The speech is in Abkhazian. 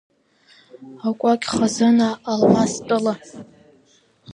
Акәакь хазына, алмас тәыла…